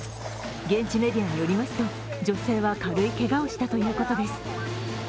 現地メディアによりますと、女性は軽いけがをしたということです。